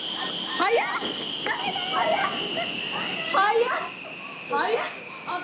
早っ。